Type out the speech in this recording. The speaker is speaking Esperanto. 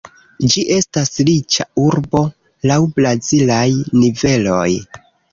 Ĝi estas riĉa urbo laŭ brazilaj niveloj.